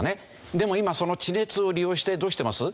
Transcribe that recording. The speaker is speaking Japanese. でも今その地熱を利用してどうしてます？